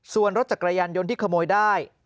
ส่วนรถจักรยานยนต์ที่ขโมยได้